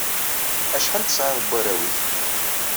Acḥal tesɛiḍ n warraw-ik?